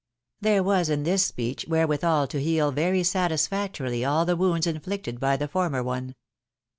There was in this speech wherewithal to heal very satisfac torily aU the wounds inflicted by the former one.